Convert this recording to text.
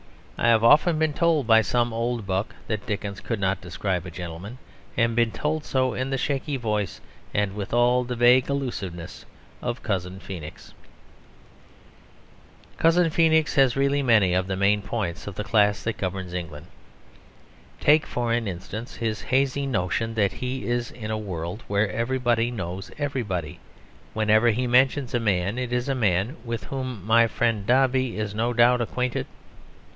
I have often been told by some old buck that Dickens could not describe a gentleman, and been told so in the shaky voice and with all the vague allusiveness of Cousin Feenix. Cousin Feenix has really many of the main points of the class that governs England. Take, for an instance, his hazy notion that he is in a world where everybody knows everybody; whenever he mentions a man, it is a man "with whom my friend Dombey is no doubt acquainted."